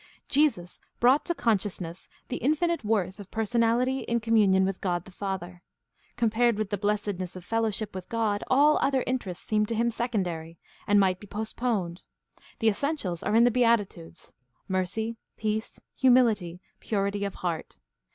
— Jesus brought to consciousness the infinite worth of personality in communion with God the Father. Compared with the blessedness of fellowship with God, all other interests seemed to him secondary, and might be postponed; the essentials are in the Beatitudes, mercy, peace, humility, purity of heart.